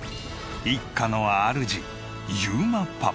一家のあるじ裕磨パパ。